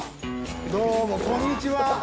どうもこんにちは。